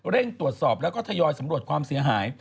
ตรวจสอบแล้วก็ทยอยสำรวจความเสียหาย